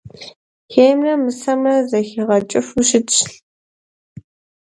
Хеймрэ мысэмрэ зэхигъэкӀыфу щытщ.